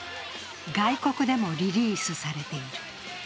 外国でもリリースされている。